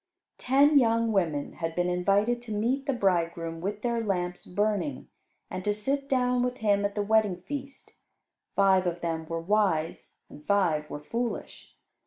Ten young women had been invited to meet the bridegroom with their lamps burning and to sit down with him at the wedding feast. Five of them were wise and five were foolish.